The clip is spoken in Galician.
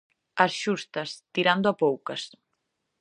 As xustas, tirando a poucas.